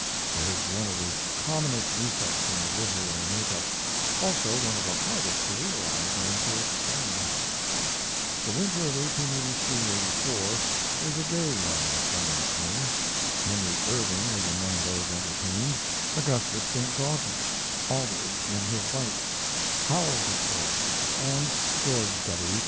It is one of the commonest defects in the literary make up; also one of the hardest to realize and to explain. The winter of 1883 84 was a gay one in the Clemens home. Henry Irving was among those entertained, Augustus Saint Gaudens, Aldrich and his wife, Howells of course, and George W.